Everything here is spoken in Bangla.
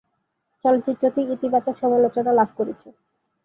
চলচ্চিত্রটি ইতিবাচক সমালোচনা লাভ করেছে।